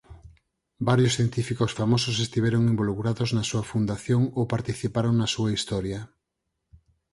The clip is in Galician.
Varios científicos famosos estiveron involucrados na súa fundación ou participaron na súa historia.